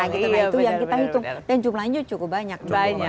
nah itu yang kita hitung dan jumlahnya cukup banyak